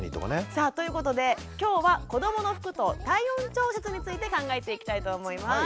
さあということで今日は子どもの服と体温調節について考えていきたいと思います。